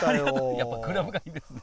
やっぱりクラブがいいですね。